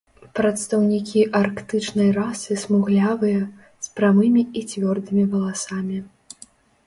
Прадстаўнікі арктычнай расы смуглявыя, з прамымі і цвёрдымі валасамі.